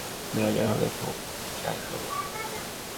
রাজার হালে ঘুম চাই তোর?